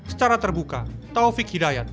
secara terbuka taufik hidayat